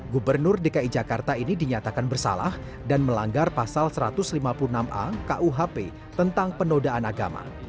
gubernur dki jakarta ini dinyatakan bersalah dan melanggar pasal satu ratus lima puluh enam a kuhp tentang penodaan agama